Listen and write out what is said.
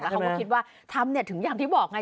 แล้วเขาก็คิดว่าทำเนี่ยถึงอย่างที่บอกไง